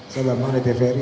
saya bang mada teferi